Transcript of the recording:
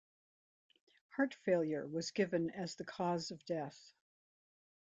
Heart failure was given as the cause of death.